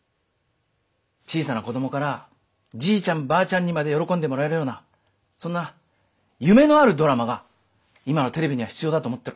小さな子供からじいちゃんばあちゃんにまで喜んでもらえるようなそんな夢のあるドラマが今のテレビには必要だと思ってる。